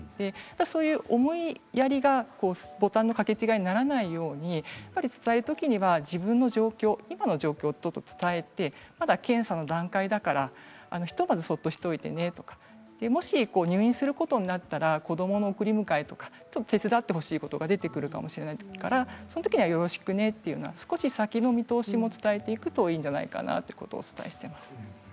そういう思いやりがボタンの掛け違いにならないように伝える時は自分の今の状況を伝えてまだ検査の段階だからひとまずそっとしておいてねともし入院することになったら子どもの送り迎えとか手伝ってほしいことが出てくるかもしれないからその時はよろしくね、と少し先の見通しも伝えておくといいんじゃないかなと思います。